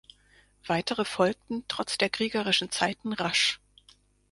Weitere folgten trotz der kriegerischen Zeiten rasch.